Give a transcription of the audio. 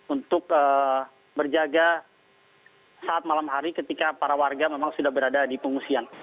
untuk berjaga saat malam hari ketika para warga memang sudah berada di pengungsian